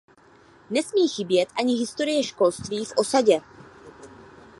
Nesmí chybět ani historie školství v osadě.